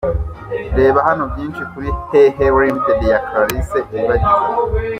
Reba hano byinshi kuri HeHe Limited ya Clarisse Iribagiza.